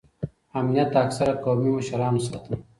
امنیت اکثره قومي مشرانو ساته.